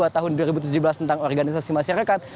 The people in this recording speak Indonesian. tahun dua ribu tujuh belas tentang organisasi masyarakat